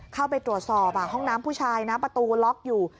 เข้าไปตรวจสอบห้องน้ำผู้ชายนะประตูล็อกอยู่